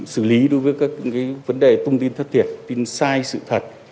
xử lý đối với các vấn đề thông tin thất thiệt tin sai sự thật